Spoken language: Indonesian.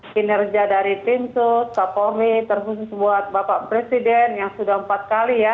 kinerja dari timsut kapolri terutama buat bapak presiden yang sudah empat kali ya